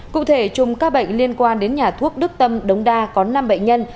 cụ thể chùm các bệnh liên quan đến nhà thuốc đức tâm đống đa có năm bệnh nhân